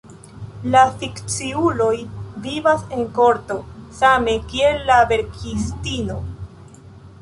La fikciuloj vivas en korto, same kiel la verkistino.